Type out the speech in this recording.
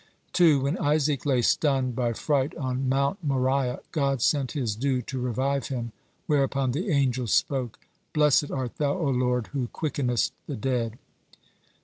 2. When Isaac lay stunned by fright on Mount Moriah, God sent His dew to revive him, whereupon the angels spoke: "Blessed art Thou, O Lord, who quickenest the dead."